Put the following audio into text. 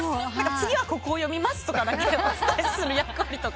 「次はここを読みます」だけお伝えする役割とか。